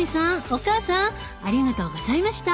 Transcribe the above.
お母さんありがとうございました！